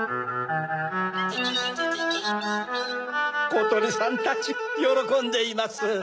ことりさんたちよろこんでいます。